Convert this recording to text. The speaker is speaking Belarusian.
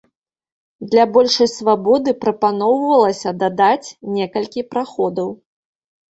Для большай свабоды прапаноўвалася дадаць некалькі праходаў.